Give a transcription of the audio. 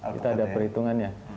kita ada perhitungannya